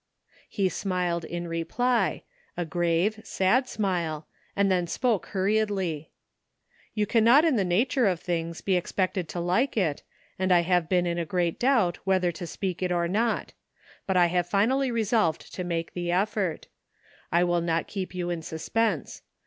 He smiled in reply, a grave, sad smile, and then spoke hurriedly. ''You cannot in the nature of things be expected to like it, and I have been in great doubt whether to speak it or not ; but I have finally resolved to make the effort. I will not keep you in suspense.